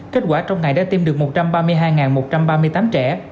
kết quả trong ngày đã tiêm được một trăm ba mươi hai một trăm ba mươi tám trẻ